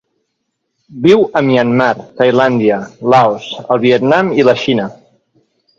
Viu a Myanmar, Tailàndia, Laos, el Vietnam i la Xina.